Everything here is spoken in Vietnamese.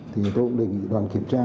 thì tôi cũng đề nghị đoàn kiểm tra